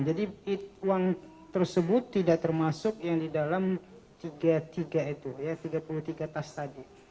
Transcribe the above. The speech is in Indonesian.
jadi uang tersebut tidak termasuk yang di dalam tiga puluh tiga itu tiga puluh tiga tas tadi